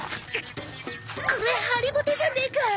これハリボテじゃねえか。